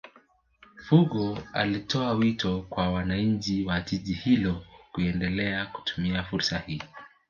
fungo alitoa wito kwa wananchi wa jiji hilo kuendelea kutumia fursa hiyo